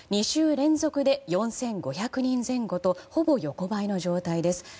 ２週連続で４５００人前後とほぼ横ばいの状態です。